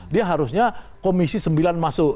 dia harusnya komisi sembilan masuk